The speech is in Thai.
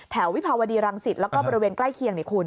แถววิภาวดีรังศิษฐ์และก็บริเวณใกล้เคียง